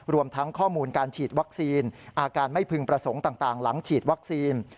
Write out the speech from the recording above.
รวมทั้งข้อมูลการฉีดวัคซีนอาการไม่พึงประสงค์ต่างหลังฉีดวัคซีน